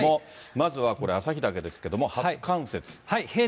まずはこれ、旭岳ですけれども、初冠雪。